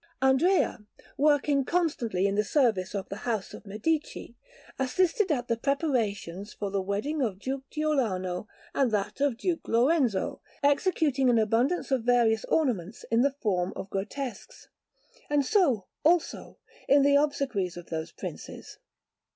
Andrea, working constantly in the service of the house of Medici, assisted at the preparations for the wedding of Duke Giuliano and that of Duke Lorenzo, executing an abundance of various ornaments in the form of grotesques; and so, also, in the obsequies of those Princes.